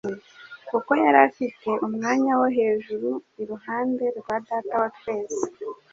kuko yari afite umwanya wo hejruu iruhande rwa Data wa twese.